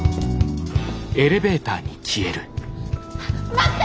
待って！